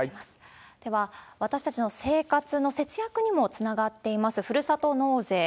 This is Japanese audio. では、私たちの生活の節約にもつながっています、ふるさと納税。